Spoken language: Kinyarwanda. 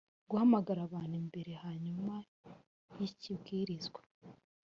guhamagara abantu imbere hanyuma y'ikibwirizwa.